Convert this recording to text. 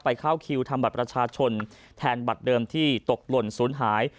เข้าคิวทำบัตรประชาชนแทนบัตรเดิมที่ตกหล่นศูนย์หาย